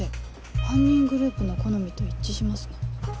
犯人グループの好みと一致しますね。